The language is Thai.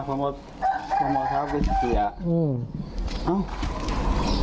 ผมว่าผมเอาเท้าก็เสีย